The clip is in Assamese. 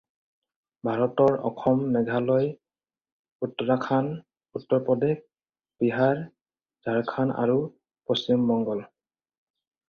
ভাৰতৰ অসম, মেঘালয়, উত্তৰাখণ্ড, উত্তৰ প্ৰদেশ, বিহাৰ, ঝাৰখণ্ড আৰু পশ্চিমবংগ।